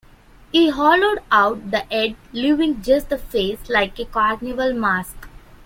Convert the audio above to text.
He hollowed out the head leaving just the face, like a carnival mask.